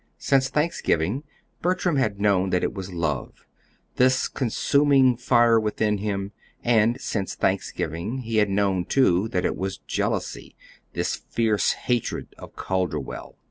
Since Thanksgiving Bertram had known that it was love this consuming fire within him; and since Thanksgiving he had known, too, that it was jealousy this fierce hatred of Calderwell.